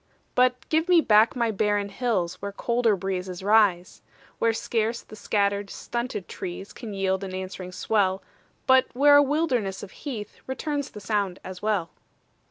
But give me back my barren hills Where colder breezes rise; Where scarce the scattered, stunted trees Can yield an answering swell, But where a wilderness of heath Returns the sound as well.